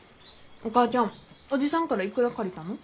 お母ちゃんおじさんからいくら借りたの？